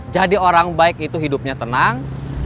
jadi orang baik itu hidupnya tenang